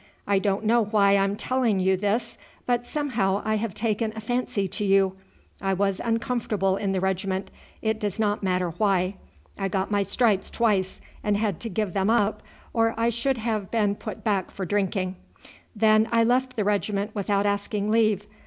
I don't know why I am telling you this, but somehow I have taken a fancy to you. I was uncomfortable in the regiment. It does not matter why. I got my stripes twice, and had to give them up or I should have been put back for drinking. Then I left the regiment without asking leave.